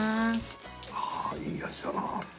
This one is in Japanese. ああいい味だな。